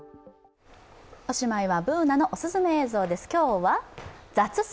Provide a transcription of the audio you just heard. おしまいはＢｏｏｎａのオススメ映像です。